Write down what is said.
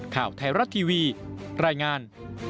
ข่าวไทยรัฐทีวีรายงาน